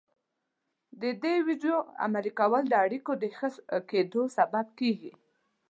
د دې ويډيو عملي کول د اړيکو د ښه کېدو سبب کېږي.